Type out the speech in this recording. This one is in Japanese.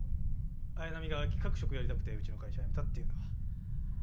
綾波が企画職やりたくてうちの会社やめたっていうのは。